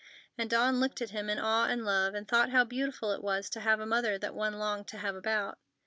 and Dawn looked at him in awe and love, and thought how beautiful it was to have a mother that one longed to have about.